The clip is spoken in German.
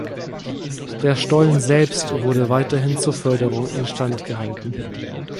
Der Stolln selbst wurde weiterhin zur Förderung instand gehalten.